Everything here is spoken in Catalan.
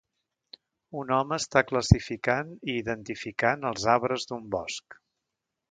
Un home està classificant i identificant els arbres d'un bosc.